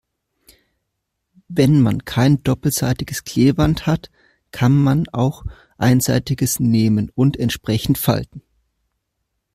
Wenn man kein doppelseitiges Klebeband hat, kann man auch einseitiges nehmen und entsprechend falten.